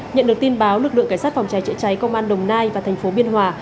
nhận được tin báo lực lượng cảnh sát phòng cháy chữa cháy công an đồng nai và thành phố biên hòa